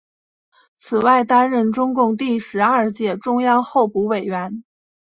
此外担任中共第十二届中央候补委员。